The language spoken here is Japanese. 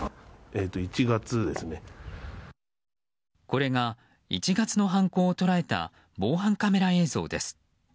これが１月の犯行を捉えた防犯カメラ映像です。